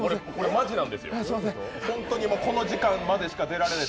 マジなんですよ、本当にこの時間までしか出られない。